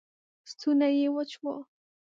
ستونی یې وچ و